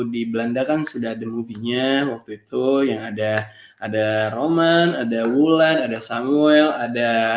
di belanda kan sudah ada luvie nya waktu itu yang ada ada roman ada wulan ada samuel ada